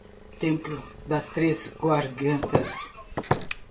Templo das Três Gargantas